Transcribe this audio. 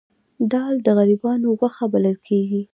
دال د غریبانو غوښه بلل کیږي